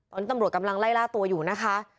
ตอนนี้ตำรวจกำลังไล่ล่าตัวอยู่นะคะ